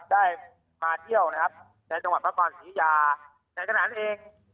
ได้มาเที่ยวนะครับในจังหวัดพระนครศรียุยาในขณะนั้นเอง